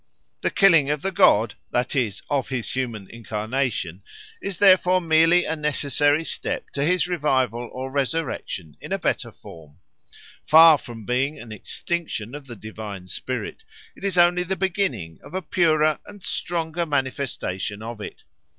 The killing of the god, that is, of his human incarnation, is therefore merely a necessary step to his revival or resurrection in a better form. Far from being an extinction of the divine spirit, it is only the beginning of a purer and stronger manifestation of it.